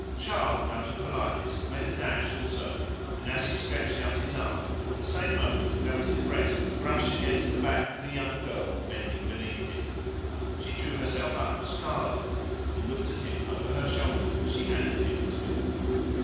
Charles out of politeness made a dash also, and as he stretched out his arm, at the same moment felt his breast brush against the back of the young girl bending beneath him. She drew herself up, scarlet, and looked at him over her shoulder as she handed him his whip.